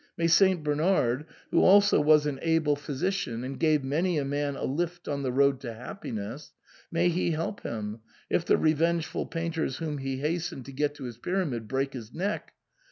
May St. Bernard, who also was an able physician and gave many a man a lift on the road to happiness, may he help him, if the revengeful painters whom he hastened to get to his Pyramid break his neck